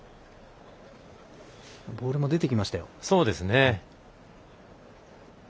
ボールも出てきましたよ。